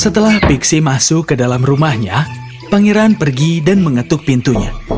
setelah pixi masuk ke dalam rumahnya pangeran pergi dan mengetuk pintunya